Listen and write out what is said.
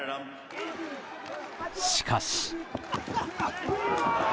しかし。